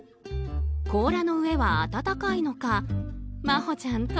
甲羅の上は温かいのかまほちゃん